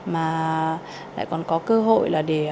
mà lại còn có cơ hội là để